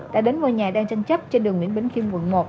đã đến ngôi nhà đang tranh chấp trên đường nguyễn bính kim quận một